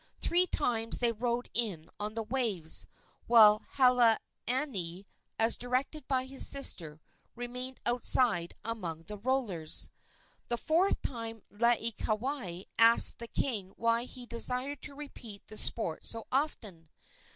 Three times they rode in on the waves, while Halaaniani, as directed by his sister, remained outside among the rollers. The fourth time Laieikawai asked the king why he desired to repeat the sport so often.